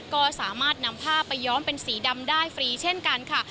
ก็สามารถนำผ้าไปย้อมเป็นสีดำได้ฟรีเช่นกันค่ะ